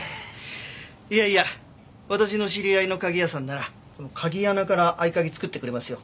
いやいや私の知り合いの鍵屋さんなら鍵穴から合鍵作ってくれますよ。